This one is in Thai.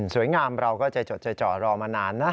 สวยงามเราก็ใจเจาะรอมานานนะ